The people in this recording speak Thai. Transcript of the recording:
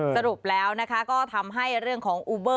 สรุปแล้วก็ทำให้เรื่องของอูเบอร์